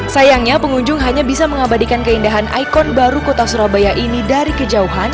sayangnya pengunjung hanya bisa mengabadikan keindahan ikon baru kota surabaya ini dari kejauhan